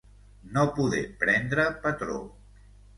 No poder prendre patró.